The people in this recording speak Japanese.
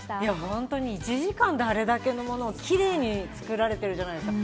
本当に１時間であれだけのものをキレイに作られているじゃないですか。